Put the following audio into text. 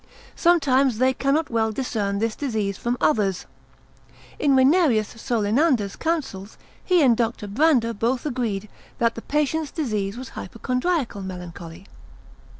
Sometimes they cannot well discern this disease from others. In Reinerus Solenander's counsels, (Sect, consil. 5,) he and Dr. Brande both agreed, that the patient's disease was hypochondriacal melancholy.